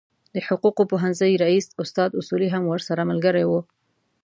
د حقوقو پوهنځي رئیس استاد اصولي هم ورسره ملګری و.